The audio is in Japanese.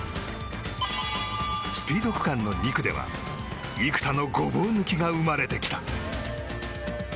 スピード区間の２区では幾多のごぼう抜きが生まれてきた。